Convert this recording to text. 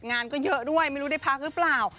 งานก็เยอะด้วยไม่รู้ได้พักหรือเปล่า